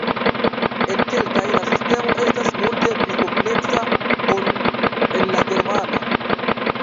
En kelkaj la sistemo estas multe pli kompleksa ol en la germana.